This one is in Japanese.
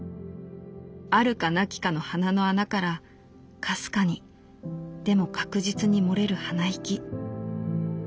あるかなきかの鼻の穴からかすかにでも確実に漏れる鼻息。